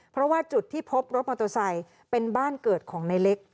เพราะว่าจุดที่พบรถมอเตอร์ไซค์เป็นบ้านเกิดของในเล็ก